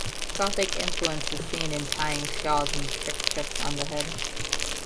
Gothic influence is seen in tying shawls and kerchiefs on the head.